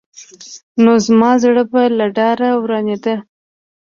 نو زما زړه به له ډاره ورانېده.